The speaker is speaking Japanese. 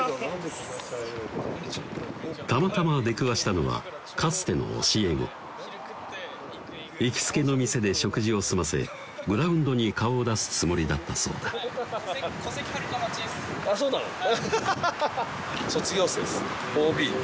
たまたま出くわしたのはかつての教え子行きつけの店で食事を済ませグラウンドに顔を出すつもりだったそうだあっそうなの？